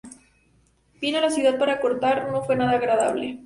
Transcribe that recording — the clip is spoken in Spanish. Vino a la ciudad para cortar, no fue nada agradable.